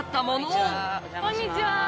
こんにちは。